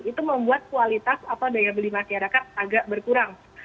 itu membuat kualitas daya beli masyarakat agak berkurang